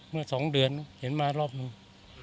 เมื่อ๒เดือนเห็นมารอบหนึ่ง